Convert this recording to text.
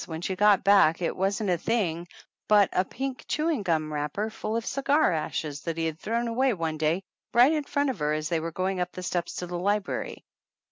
when she got back it wasn't a thing but a pink chewing gum wrapper full of cigar ashes that he had thrown away one day right in front of her as they were going up the steps to the library.